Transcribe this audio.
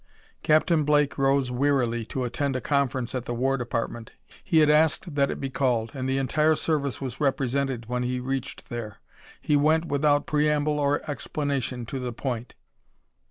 Captain Blake rose wearily to attend a conference at the War Department. He had asked that it be called, and the entire service was represented when he reached there. He went without preamble or explanation to the point.